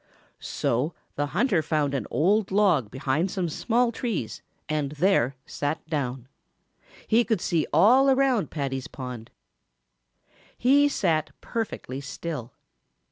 So the hunter found an old log behind some small trees and there sat down. He could see all around Paddy's pond. He sat perfectly still.